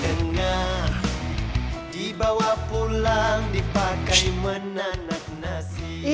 dengar dibawa pulang dipakai menanak nasi